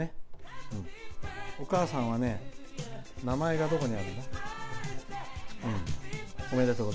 お母さんはね、名前がどこにあるんだ。